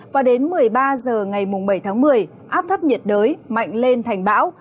và đến một mươi ba h ngày bảy tháng một mươi áp thấp nhiệt đới mạnh lên thành bão